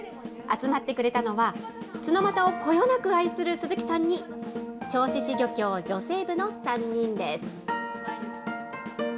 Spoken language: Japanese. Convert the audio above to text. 集まってくれたのは、ツノマタをこよなく愛する鈴木さんに、銚子市漁協女性部の３人です。